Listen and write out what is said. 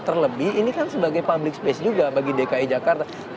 terlebih ini kan sebagai public space juga bagi dki jakarta